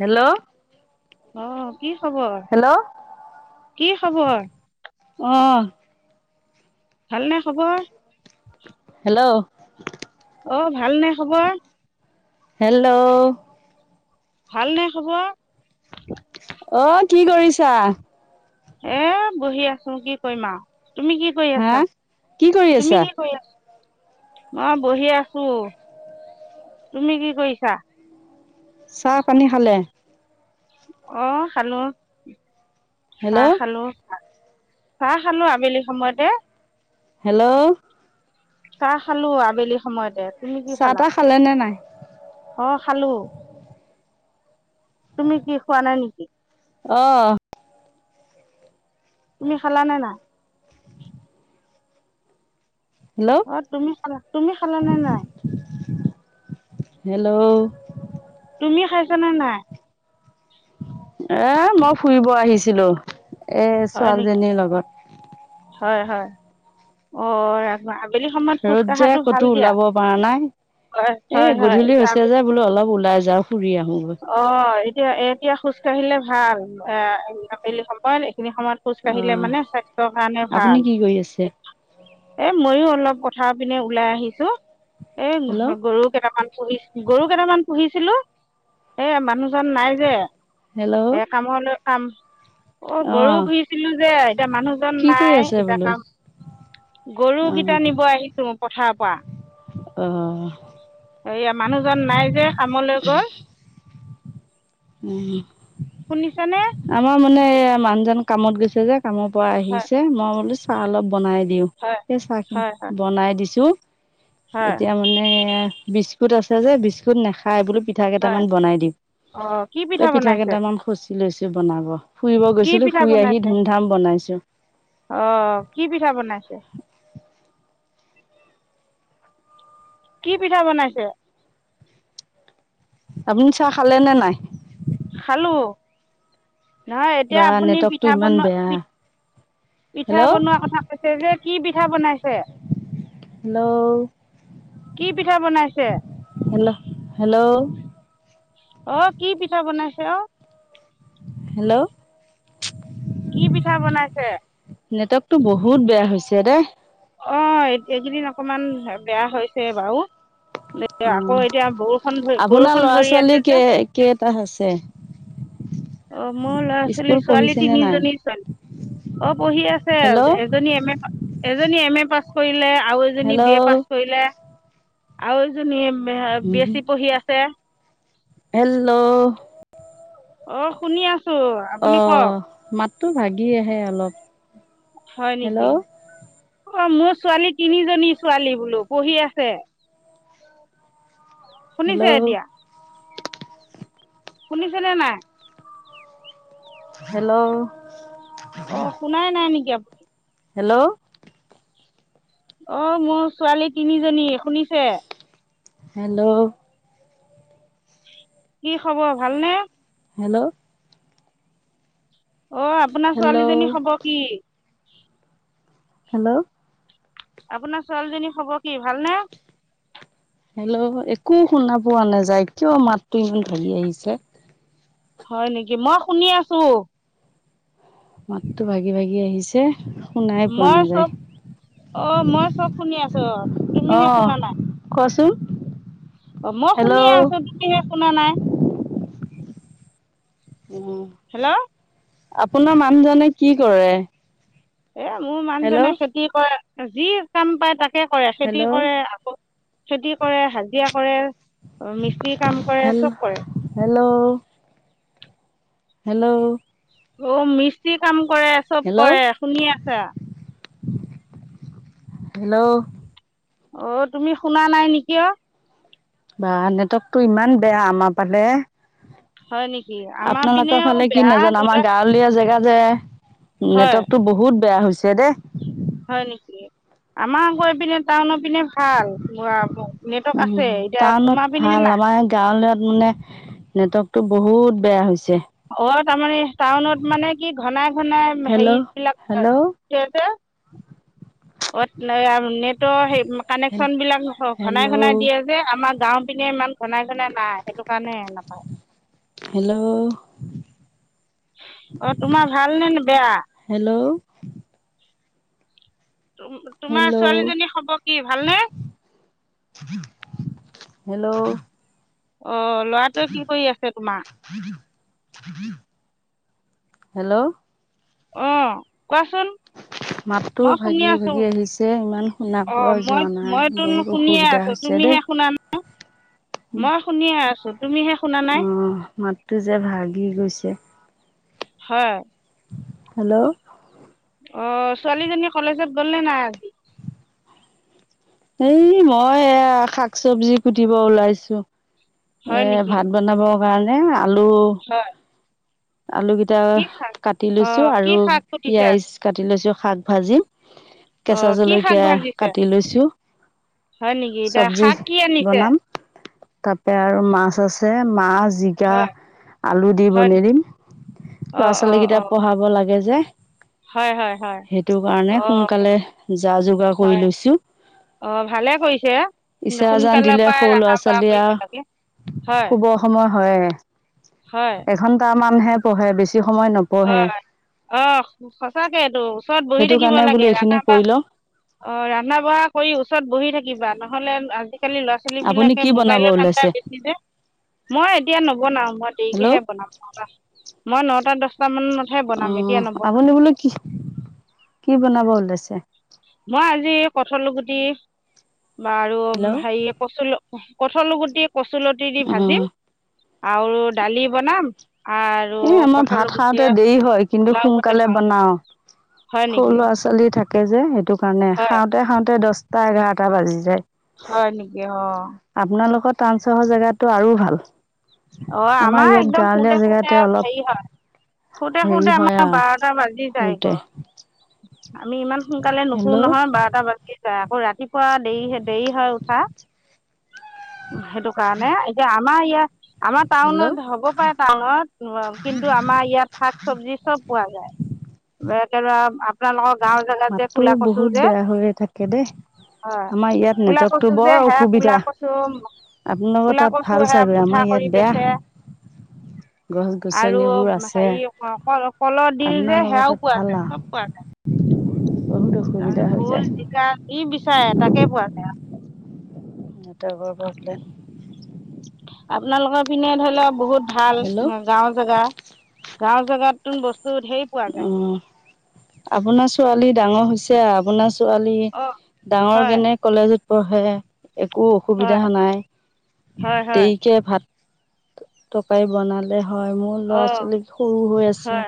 Hello. অহ কি খবৰ। কি খবৰ অ। ভালনে খবৰ? হেল্ল'। অ ভালনে খবৰ। হেল্ল'। ভালনে খবৰ? অ কি কৰিছা। এ বহি আছো কি কৰিম আৰু। তুমি কি কৰি হা আছা কি কৰি আছা তুমি কি কৰি আছা। মই বহি আছো তুমি কি কৰিছা। চাহ পানী খালে? অ খালো চাহ হেল্ল' খালো। চাহ খালো আবেলি সময়তে। হেল্ল'। চাহ খালো আবেলি সময়তে। তুমি কি চাহ খালা তাহ খালে নে নাই অ খালোঁ তুমি কি খোৱা নাই নেকি আহ তুমি খলানে নাই হেল্ল' অ তুমি খালা তুমি খালা নে নাই হেল্ল' তুমি খাইছানে নাই এ মই ফুৰিব আহিছিলোঁ এ হয় নেকি ছোৱালীজনীৰ লগত হয় হয় অ ৰা ৰ'দ যে ক'তো ওলাব পৰা নাই হয় হয় এ হয় গধূলি এতিয়া হৈছে যে বোলো অলপ ওলাই যাওঁ ফুৰি আহোঁগৈ অ এতিয়া এতিয়া খোজ কাঢ়িলে ভাল এ আবেলি সময় এখিনি সময়ত অ খোজকাঢ়িলে মানে স্বাস্থ্যৰ কাৰণে আপুনি ভাল কি কৰি আছে এ ময়ো অলপ পথাৰ পিনে ওলাই আহিছো এ হেল্ল' গৰু কেইটামান পুহি গৰু কেইটামান পুহিছ। ছিলো এ মানুহজন নাই যে হেল্ল' এই কামলৈ কাম। অ গৰুও ঘুৰিছিলো যে এতিয়া মানুহজন কি কৰি নাই আছে এতিয়া বোলো কাম। গৰু কেইটা অ নিব আহিছো পথাৰ। োৱা অ ইয়া মানুহজন নাই যে কামলৈ গল। [unintelligible] উ। [unintelligible] শুনিছানে কামৰ পৰা হয় আহিছে মই বোলো চাহ অলপ বনাই দিওঁ হয়, সেই চাহ খিনি হয়, হয়, বনাই দিছো। হয়, এতিয়া মানে বিস্কুত আছে যে বিস্কুট নাখায় বুলি। পিঠা হয়। কেইটামান বনাই দিম অ', কি এই পিঠা বনাইছে? কেইটামান খচি লৈছো বনাব। ফুৰিব কি গৈছিলো ফুৰি আহি ধুমধাম বনাইছো। আহ কি পিঠা বনাইছে। কি পিঠা বনাইছে। আপুনি চাহ খালে নে নাই। খালো। নহয় এতিয়া বা আপুনি নেটৱৰ্কটো পিঠা ইমান বনোৱা। বেয়া পিঠা হেল্ল' বনোৱা কথা কৈছে যে কি পিঠা বনাইছে। হেল্ল'। কি পিঠা বনাইছে? Hello hello. আহ কি পিঠা বনাইছে অ। হেল্ল'। কি পিঠা বনাইছে? নেটৱৰ্কতটো বহুত বেয়া হৈছে দেই। অ এইকেইদিন অকমান বেয়া হৈছে বাৰু। অ আকৌ এতিয়া বৰষুণ ধৰি বৰষুণ ধৰি আছে যে। ছ। [unintelligible] অ মোৰ ল'ৰা-ছোৱালী ছোৱালী নে তিনি নাই? জনী ছোৱালী। অ পঢ়ি হেল্ল' আছে এজনী এম এ এজনী এম এ পাছ। কৰিলে আৰু এজনী বি এ পাছ হেল্ল' কৰিলে আৰু এজনী। বি এছ চি পঢ়ি আছে। হেল্ল'। অ শুনি আছো। অ আপুনি কওক মাতটো ভাগি আহে অলপ। হয় নেকি হেল্ল' অ মোৰ। ছোৱালী তিনিজনী ছোৱালী বোলো পঢ়ি আছে। শুনিছে হেল্ল' এতিয়া। শুনিছেনে নাই। হেল্ল'। অ শুনাই নাই নেকি আ। হেল্ল'। অ মোৰ ছোৱালী তিনিজনী শুনিছে। হেল্ল'। কি খবৰ ভালনে। হেল্ল'। অ আপোনাৰ হেল্ল' ছোৱালীজনী খব কি। হেল্ল'। আপোনাৰ ছোৱালীজনী হব কি ভালনে? হেল্ল' একো শুনা পোৱা নাযায় কিয় মাতটো ইমান ধৰি আহিছে'। হয় নেকি মই শুনি আছো। মাততো ভাগি ভাগি আহিছে। শুনাই পোৱা মই নাযায় চব অ মই চব শুনি আছো অ তুমিহে শুনা নাই। চ। অ মই শুনিয়ে আছো তুমিহে শুনা নাই। হেল্ল' আপোনাৰ মানুহজনে কি' কৰে? এ' মোৰ মানুহজনে হেল্ল' খেতি কৰে যি কাম পায় তাকে কৰে খেতি হেল্ল' কৰে। আকৌ- খেতি কৰে হাজিৰা কৰে। মিস্ত্ৰী কাম কৰে হেল্ল' চ'ব কৰে। হেল্ল' হেল্ল' অ মিস্ত্ৰী কাম কৰে চ'ব কৰে শুনি আছা। হেল্ল'। অ তুমি শুনা নাই নেকি অ? বা' নেটৱৰ্কটো ইমান বেয়া আমাৰ ফালে। হয় নেকি আমাৰ আপোনালোকৰ পিনেও ফালে কি বেয়া নাজানো। ধৰিলোৱা আমাৰ গাঁৱলীয়া জেগা- যে হয় নেটৱৰ্কত টো বহুত বেয়া হৈছে দেই। হয় নেকি। আমাৰ আকৌ এইপিনে টাউনত- পিনে ভাল তোমাৰ পিনে নেটৱৰ্ক উম, আছে। এতিয়া টাউনত তোমাৰ পিনে হে ভাল নাই। নেটৱৰ্কত টো বহুত বেয়া হৈছে। অ তাৰমানে টাউনত মানে কি ঘনাই ঘনাই হেৰি হেল্ল' হেল্ল' বিলাক - [unintelligible] অ তেনে আৰু নেটৱৰ্কৰ সেই- হেল্ল' কানেকচন বিলাক ঘনাই হেল্ল' ঘনাই দিয়ে যে আমাৰ গাওঁ পিনে ইমান ঘনাই - নে নাই সেইটো কাৰণে নাপায়। অ তোমাৰ ভাল নে বেয়া? হেল্ল' তোমাৰ হেল্ল' ছোৱালীজনী খবৰ কি ভাল নে? হেল্ল' অ ল'ৰাটোৱে কি কৰি আছে তোমাৰ? হেল্ল' অ কোৱাচোন? মাতটো মই শুনি ভাগি আছো ভাগি আহিছে ইমান শুনা অ পোৱা মই যোৱা নাই মই চোন বহুত শুনিয়ে অসুবিধা আছো। হৈছে দেই তুমিহে শুনা নাই মই শুনিয়ে আছো। তুমিহে শুনা নাই উম' মাতটো যে ভাগি গৈছে। হয়। হেল্ল'। অ ছোৱালীজনী কলেজত গ'ল নে নাই আজি। এই মই এয়া শাক চবজি কুটিব ওলাইছো। হয় এ নেকি ভাত বনাবৰ কাৰণে আলু- হয় আলু কেইটা কি শাক কাটি লৈছো অঁ কি আৰু শাক সুধিছে পিয়াজ কাটি লৈছো শাক ভাজিম। অঁ কেঁচা কি শাক জলকীয়া ভাজিছে কাটি লৈছো। হয় নেকি। এতিয়া শাক কি ৰান্ধিছে? তাৰ পৰা আৰু মাছ আছে মাছ জিকা হয় আলু দি হয় বনাই দিম। অঁ ল'ৰা-ছোৱালী অঁ কেইটা অঁ পঢ়াব লাগে যে। হয় হয় হয় সেইটো কাৰণে অঁ সোনকালে যা যোগাৰ কৰি লৈছো। অ ভালে কৰিছে। ইচৰ জন সোনকালৰ দিলে পৰাই সৰু ৰন্ধা বঢ়া ল'ৰা-ছোৱালী কৰিব লাগে আৰু হয় শুভ সময় হয়। হয় এঘন্টা মান হে পঢ়ে। বেছি সময় নপঢ়ে হয় অঁ সচাকেটো। ওচৰত বহি সেইটো থাকিব কাৰণে বোলো লাগে এইখিনি ৰান্ধা বঢ়া কৰি লওঁ অ ৰন্ধা বঢ়া কৰি ওচৰত বহি থাকিব। কিবা নহ'লে আজিকালি ল'ৰা-ছোৱালী আপুনি বিলাকে কি বনাব মোবাইলৰ ধাণ্ডা ওলাইছে বেছি যে। মই এতিয়া নবনাওঁ মই দেৰিকে হেল্ল' হে বনাম নটা মই নটা, দ'হ টা- মানত হে অ বনাম এতিয়া নবনাও। আপুনি বোলো কি কি বনাব ওলাইছে মই আজি কঠাল গুটি বা আৰু হেল্ল' হেৰি - কঠাল গুটি কচুলতি দি অ ভাজিম আৰু দালি বনাম। আৰু এ আমাৰ কঠাল ভাত খাওঁতে গুটিয়ে দেৰি হয় কিন্তু লাও গতে সোনকালে খাম বনাও। হয় সৰু নেকি ল'ৰা ছোৱালী থাকে যে সেইটো কাৰণে হয় খাওতে খাওঁতে দচটা এঘাৰটা বাজি যায়। হয় নেকি অ। আপোনালোকৰ টাউন চহৰ জেগাতো আৰু ভাল অ আমাৰ ইয়াত একদম শুতে গাঁৱলীয়া শুতে জেগাত। অলপ হেৰি হয় শুতে হেৰি শুতে হয় আমাৰ আৰু বাৰটা বাজি শওঁতে। যায়গৈ আমি ইমান সোনকালে নুশো নহয় বাৰটা বাজি যায় আকৌ ৰাতি। পুৱা দেৰি দেৰি হয় উঠাহ সেইটো কাৰণে এতিয়া আমাৰ ইয়াত। আমাৰ হেল্ল' টাউনত হ'ব পাৰে টাউনত কিন্তু আমাৰ ইয়াত শাক চবজি চব পোৱা যায়। একে আপোনালোকৰ গাঁৱৰ জেগাত যে মাততো কোলা কছু বহুত যে। বেয়া হৈয়ে থাকে দেই হয় আমাৰ ইয়াত কোলা নেটৱৰ্কটো কছু বৰ যে হে অসুবিধা কোলা কছু আপোনালোকৰ কোলা তাত কছু ভাল হে চাগৈ আমাৰ মুঠা ইয়াত কৰি বেয়া বেচে। [unintelligible] গছ আৰু গছনিবোৰ আছে হেৰি কল কলৰ ডিল যে আপোনালোকৰ সেয়াও তাত পোৱা ভাল আও তাৰ ভোল জিকা যি বিচাৰে তাকে পোৱা যায় আও। নেটৰ বৰ প্ৰব্লেম আপোনালোকৰ পিনে ধৰি লওক বহুত ভাল হেল্ল' গাঁও জেগা। গাঁও জগাত বস্ত। অ আপোনাৰ ছোৱালী ডাঙৰ হৈছে আপোনাৰ। ছোৱালী অঁ ডাঙৰ হয় কেনে কলেজত পঢ়ে। একো অসুবিধা হয় নাই হয় হয় দেৰিকৈ ভাত। তটৰকাৰী বনালে হয় মোৰ ল'ৰা অঁ ছোৱালী সৰু হৈ হয় আছে।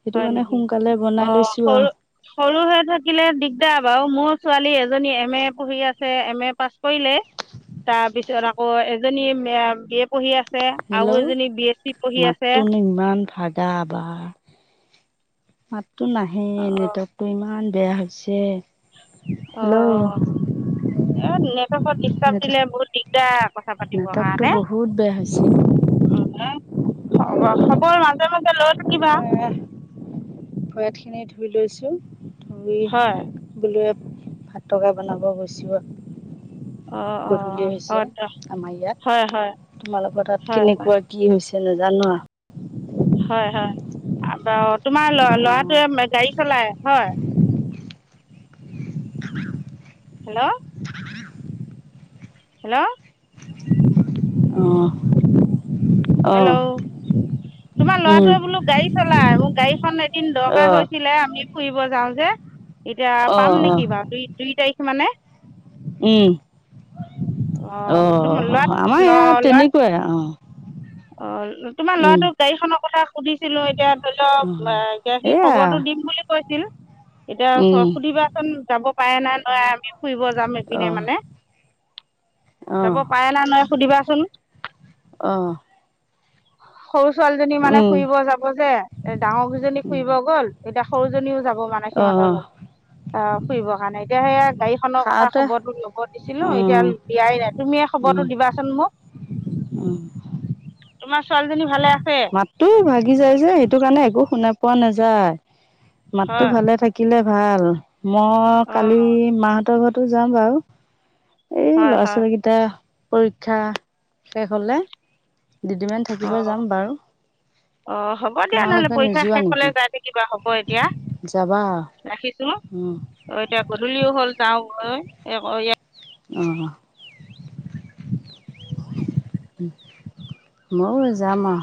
সেইটো হয় কাৰণে নেকি সোনকালে বনাই অ লৈছোঁ আৰু সৰু সৰু হৈ থাকিলে দিগদাৰ। বাৰু মোৰ ছোৱালী এজনী এম এ পঢ়ি আছে এম এ পাছ কৰিলে। তাৰ পিছত আকৌ এজনী বি এ পঢ়ি আছে। আৰু হেল্ল' এজনী বি এছ চি পঢ়ি আছে। মাতটোনো ইমান মাততো নাহে অঁ নেটৱৰ্কটো ইমান বেয়া হৈছে। অ। হেল্ল' এ নেটৱৰ্কত ডাৰ্ব নেট দিলে বহুত দিগদাৰ কথা পাতিবৰ নেটৱৰ্কটো কাৰণে। বহুত বেয়া হৈছে হব সকলৰে মাজে মাজে লৈ থাক। হয় আহ ভৰি হাত খিনি ধুই লৈছো। ধই হয় বোলে ভাত টকা বনাব গৈছোঁ আৰু। অঁ গধূলি অঁ হৈছে অঁ আমাৰ ইয়াত। হয় হয় তোমালোকৰ তাত হয় কেনেকুৱা কি হৈছে নাজানো। হয় হয় তোমাৰ ল ল'ৰাটোৱে গাড়ী চলাই হয়। হেল্ল' হেল্ল' অঁ অঁ হেল্লো' তোমাৰ অঁ ল'ৰাটোৱে বোলো গাড়ী চলাই মোক গাড়ীখন এদিন দৰকাৰ অঁ অঁ হৈছিলে আমি ফুৰিব যাওঁ যে এতিয়া পাম অঁ নেকি বাৰু দুই দুই তাৰিখ মানে উম। অ অঁ তোমাৰ ল'ৰাটোক আমাৰ ইয়াত তেনেকুৱাই অ। অ তোমাৰ ল'ৰাটোক গাড়ীখনৰ কথা সুধিছিলোঁ এতিয়া ধৰি অঁ লওঁক সি সেয়া খবৰটো দিম বুলি কৈছিল উম এতিয়া সুধিবা চোন যাব পায় নাই নোৱাৰে আমি ফুৰিব যাম এইপিনে আহ মানে যাব আহ পাৰে না নোৱাৰে সুধিবাচোন। আহ সৰু ছোৱালীজনী মানে উম ফুৰিব যাব যে এ ডাঙৰ কি জনী ফুৰিব উম গ'ল এতিয়া সৰু জনিওঁ যাব মানে। সিহঁতৰ আহ লগত অ ফুৰিবৰ কাৰণে এতিয়া সেয়া গাড়ীখনৰ কথা খাওঁতে খবৰটো ল'ব দিছিলোঁ। এতিয়া উম দিয়াই নাই তুমি খবৰটো উম দিবাচোন মোক উম তোমা ছোৱালীজনী ভালে আছে মাতটো ভাগি যাই যে সেইটো কাৰণে একো শুনা পোৱা নাযায়। মাততো হয় ভালে থাকিলে ভাল মই কালি অ', মাহঁতৰ ঘৰত। তো যাম বাৰু। এই হয় ল'ৰা- হয় ছোৱালীকেইটা পৰীক্ষা শেষ হ'লে। দুদিনমান থাকিব অ', যাম বাৰু। অ হ'ব দিয়া নহ'লে তোমালোকে পৰীক্ষা নোযোৱা শেষ হ'লে নেকি যাই থাকিবা হ'ব এতিয়া। যাবা ৰাখিছোঁ অঁ এতিয়া গধূলিও হ'ল যাওঁ গৈ অহ। ময়ো যাম আৱ।